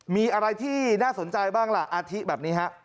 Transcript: มีอะไรที่น่าสนใจบ้างล่ะอาทิแบบนี้ฮะ